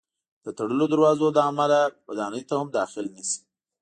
د تړلو دروازو له امله ودانۍ ته هم داخل نه شي.